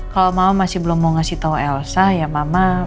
kalo mama masih belum mau ngasih tau elsa ya mama